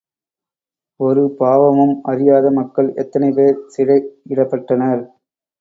ஒருபாவமும் அறியாத மக்கள் எத்தனைபேர் சிறையிடப்பட்டனர்!